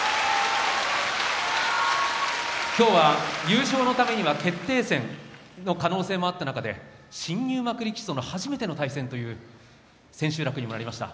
今日は優勝のためには決定戦その可能性もあった中で新入幕力士との初めての対戦という千秋楽にもなりました。